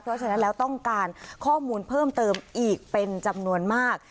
เพราะฉะนั้นแล้วต้องการข้อมูลเพิ่มเติมอีกเป็นจำนวนมาก